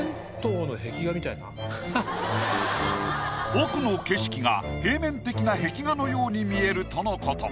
奥の景色が平面的な壁画のように見えるとのこと。